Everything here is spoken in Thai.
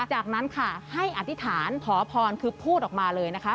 จากนั้นค่ะให้อธิษฐานขอพรคือพูดออกมาเลยนะคะ